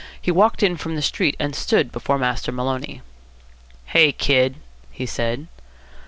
He walked in from the street, and stood before Master Maloney. "Hey, kid," he said.